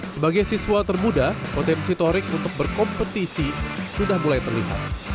sebagai siswa termuda potensi torik untuk berkompetisi sudah mulai terlihat